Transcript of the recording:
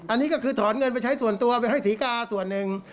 อันนี้ก็คือถอนเงินไปใช้ส่วนตัวไปให้ศรีกาส่วนหนึ่ง